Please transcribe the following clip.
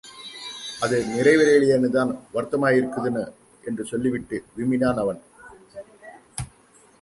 அது நிறைவேறலியேன்னுதான் வருத்தமாயிருக்குது.. என்று சொல்லிவிட்டு விம்மினான் அவன்.